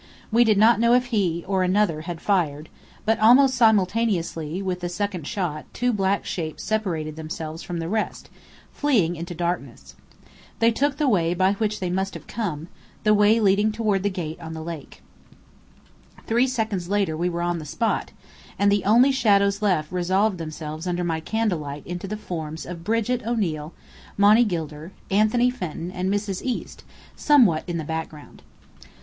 We did not know if he, or another, had fired; but almost simultaneously with the second shot two black shapes separated themselves from the rest, fleeing into darkness. They took the way by which they must have come, the way leading toward the gate on the lake. Three seconds later we were on the spot; and the only shadows left resolved themselves under my candle light into the forms of Brigit O'Neill, Monny Gilder, Anthony Fenton, and Mrs. East somewhat in the background.